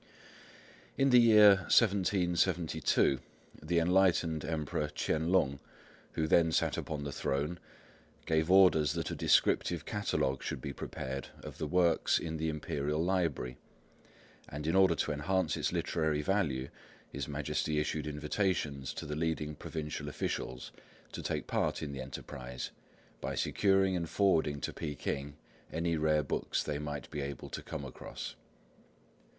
In the year 1772 the enlightened Emperor Ch'ien Lung, who then sat upon the throne, gave orders that a descriptive Catalogue should be prepared of the books in the Imperial Library. And in order to enhance its literary value, his Majesty issued invitations to the leading provincial officials to take part in the enterprise by securing and forwarding to Peking any rare books they might be able to come across.